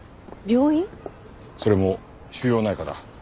それも腫瘍内科だ。